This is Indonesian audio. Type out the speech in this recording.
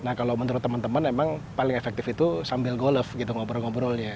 nah kalau menurut teman teman memang paling efektif itu sambil golf gitu ngobrol ngobrolnya